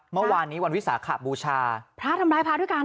เมื่อวานนี้วันวิสาขบูชาพระทำร้ายพระด้วยกัน